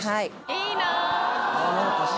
いいな。